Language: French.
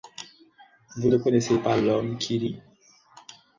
Vous ne connaissez pas l’Homme qui Rit ?